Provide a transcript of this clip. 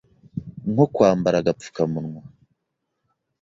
nko kwambara agapfukamunwa,